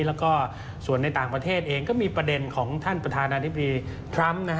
แล้วก็ส่วนในต่างประเทศเองก็มีประเด็นของท่านประธานาธิบดีทรัมป์